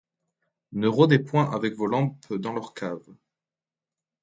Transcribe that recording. Ne rôdez point avec vos lampes dans leur cave ;